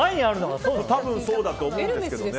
多分そうだと思うんですけどね。